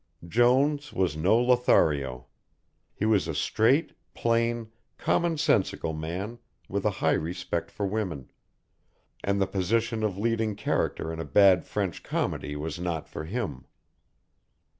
Jones was no Lothario. He was a straight, plain, common sensical man with a high respect for women, and the position of leading character in a bad French comedy was not for him.